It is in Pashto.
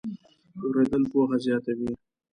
اورېدل پوهه زیاتوي.